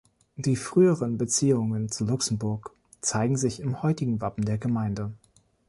Die früheren Beziehungen zu Luxemburg zeigen sich im heutigen Wappen der Gemeinde.